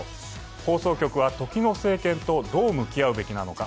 放送局は時の政権とどう向き合うべきなのか。